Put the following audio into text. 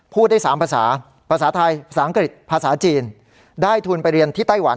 พูดได้๓ภาษาภาษาไทยภาษาอังกฤษภาษาจีนได้ทุนไปเรียนที่ไต้หวัน